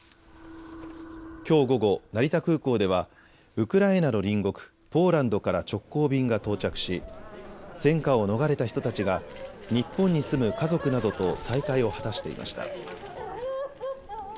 きょう午後、成田空港ではウクライナの隣国、ポーランドから直行便が到着し戦火を逃れた人たちが日本に住む家族などと再会を果たしていました。